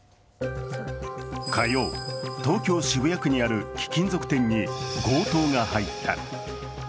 火曜、東京・渋谷区にある貴金属店に強盗が入った。